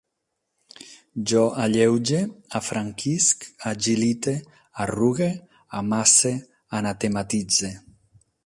Jo alleuge, afranquisc, agilite, arrugue, amasse, anatematitze